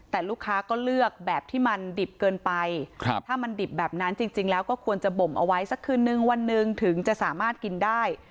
แต่ลูกค้าก็เลือกแบบที่มันดิบเกินไปถ้ามันดิบแบบนั้นจริงแล้วก็ควรจะบ่มเอาไว้สักคืนนึงวันหนึ่งถึงจะสามารถกินได้